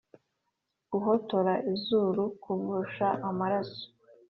guhotora izuru kuvusha amaraso,